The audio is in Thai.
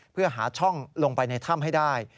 เพื่อหาช่องลงไปในถ้ำให้ได้